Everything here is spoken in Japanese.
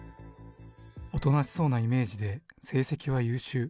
おとなしそうなイメージで、成績は優秀。